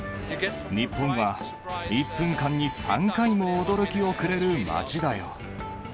日本は１分間に３回も驚きをくれる街だよ。